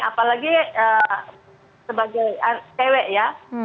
apalagi sebagai cewek ya